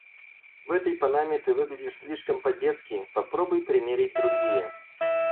В этой панаме ты выглядишь слишком по-детски. Попробуй примерить другие.